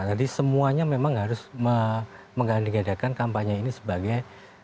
jadi semuanya memang harus menggandikan kampanye ini sebagai